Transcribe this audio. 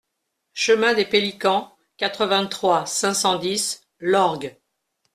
Chemin des Peliquant, quatre-vingt-trois, cinq cent dix Lorgues